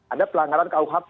ada pelanggaran ke auhp